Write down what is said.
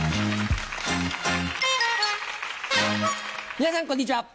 皆さんこんにちは。